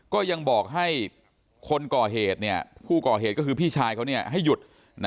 ก็ยังบอกให้คนก่อเหตุผู้ก่อเหตุก็คือพี่ชายเขาให้หยุด